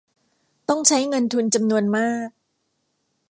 ต้องใช้เงินทุนจำนวนมาก